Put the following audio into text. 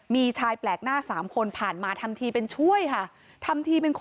มีชายแปลกหน้า๓คนผ่านมาทำทีเป็นช่วยค่ะ